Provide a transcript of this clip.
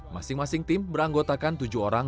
masing masing tim beranggotakan tujuh orang